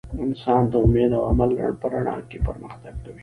انسان د امید او عمل په رڼا کې پرمختګ کوي.